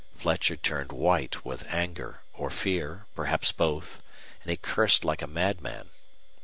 Fletcher turned white with anger or fear, perhaps both, and he cursed like a madman.